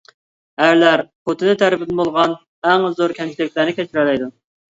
ئەرلەر خوتۇنى تەرىپىدىن بولغان ئەڭ زور كەمچىلىكلەرنى كەچۈرەلەيدۇ.